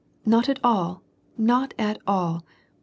Not at all, not at all.